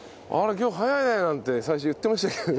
今日早いね」なんて最初言ってましたけどね。